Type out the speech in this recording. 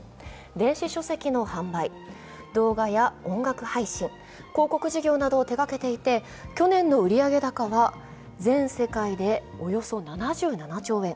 電子書籍の販売動画や音楽配信、広告事業などを手がけていて去年の売上高は全世界でおよそ７７兆円。